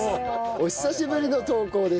お久しぶりの投稿です。